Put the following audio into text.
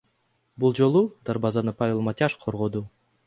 Бул жолу дарбазаны Павел Матяш коргоду.